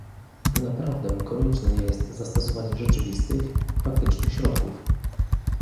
Naprawdę konieczne jest zastosowanie rzeczywistych, praktycznych środków